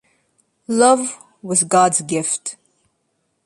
Love was God’s gift.